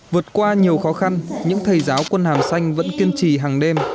vượt qua nhiều khó khăn những thầy giáo quân hàng xanh vẫn kiên trì hàng đêm